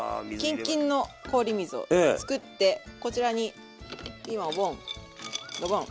キンキンの氷水を作ってこちらにピーマンをボンドボン。